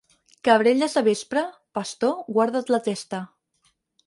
Cabrelles de vespre, pastor, guarda't la testa.